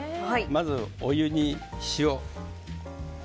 まず、お湯に塩。